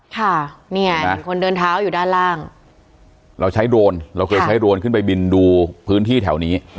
ค่ะเนี่ยมีคนเดินเท้าอยู่ด้านล่างเราใช้โดรนเราเคยใช้โดรนขึ้นไปบินดูพื้นที่แถวนี้